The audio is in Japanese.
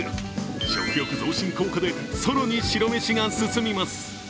食欲増進効果で、更に白飯が進みます。